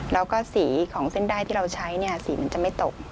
แล้วก็สีของเส้นได้ที่เราใช้เนี่ยสีมันจะไม่ตก